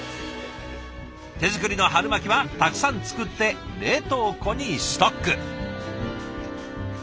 手作りの春巻きはたくさん作って冷凍庫にストック。